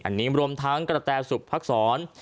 อันนี้รวมทั้งกระแตสุขภักษร